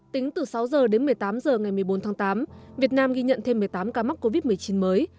tính từ sáu h đến một mươi tám h ngày một mươi bốn tháng tám việt nam ghi nhận thêm một mươi tám ca mắc covid một mươi chín mới